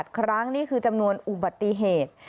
ครั้งนี่คือจำนวนอุบัติเหตุ